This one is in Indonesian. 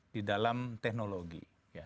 di dalam teknologi